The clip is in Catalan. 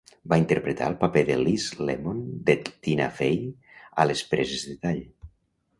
Va interpretar el paper de Liz Lemon de Tina Fey a les preses de tall.